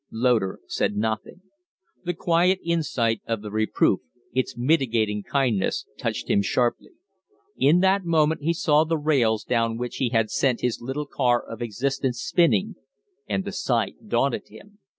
Loder said nothing. The quiet insight of the reproof, its mitigating kindness, touched him sharply. In that moment he saw the rails down which he had sent his little car of existence spinning, and the sight daunted him.